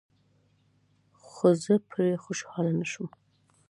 خو زه پرې خوشحاله نشوم.